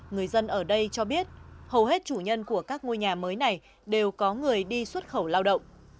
người dân ở đây cho biết hầu hết chủ nhân của các ngôi nhà mới này đều có người đi xuất khẩu lao động